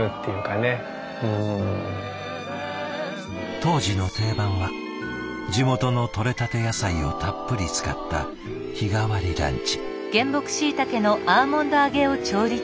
当時の定番は地元のとれたて野菜をたっぷり使った日替わりランチ。